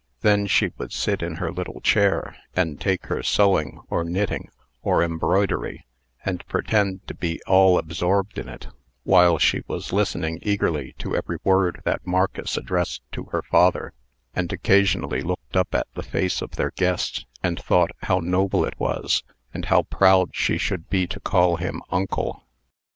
Then she would sit in her little chair, and take her sewing, or knitting, or embroidery, and pretend to be all absorbed in it, while she was listening eagerly to every word that Marcus addressed to her father, and occasionally looked up at the face of their guest, and thought how noble it was, and how proud she should be to call him uncle.